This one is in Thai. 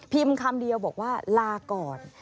คำเดียวบอกว่าลาก่อน